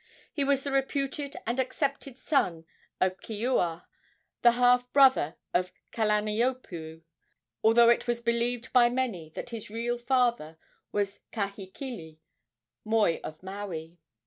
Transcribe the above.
He was the reputed and accepted son of Keoua, the half brother of Kalaniopuu, although it was believed by many that his real father was Kahekili, moi of Maui.